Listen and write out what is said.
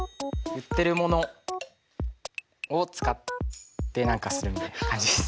売ってるものを使って何かするみたいな感じです。